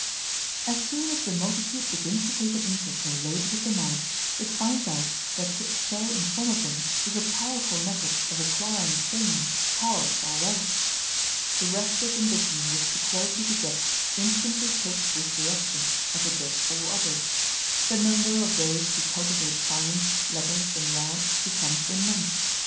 As soon as the multitude begins to take an interest in the labors of the mind, it finds out that to excel in some of them is a powerful method of acquiring fame, power, or wealth. The restless ambition which equality begets instantly takes this direction as it does all others. The number of those who cultivate science, letters, and the arts, becomes immense.